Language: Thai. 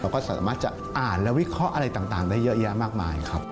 ก็สามารถจะอ่านและวิเคราะห์อะไรต่างได้เยอะแยะมากมายครับ